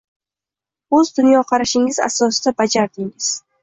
O’z dunyoqarashingiz asosida bajardingiz